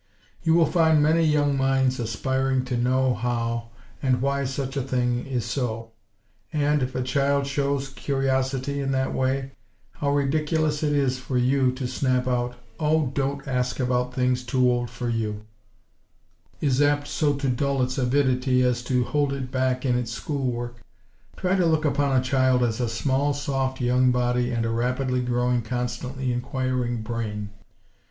You will find many young minds aspiring to know how, and WHY such a thing is so. And, if a child shows curiosity in that way, how ridiculous it is for you to snap out: "Oh! Don't ask about things too old for you!" Such a jolt to a young child's mind, craving instruction, is apt so to dull its avidity, as to hold it back in its school work. Try to look upon a child as a small, soft young body and a rapidly growing, constantly inquiring brain.